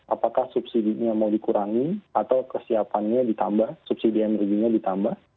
apakah subsidinya mau dikurangi atau kesiapannya ditambah subsidi energinya ditambah